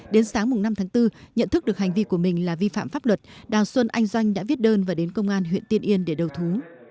đến sáng năm tháng bốn nhận thức được hành vi của mình là vi phạm pháp luật đào xuân anh doanh đã viết đơn và đến công an huyện tiên yên để đầu thú